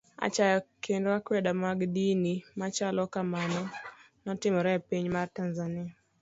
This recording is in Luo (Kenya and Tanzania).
Achaya kendo akwede mag dini machalo kamano notimore e piny mar Tanzania.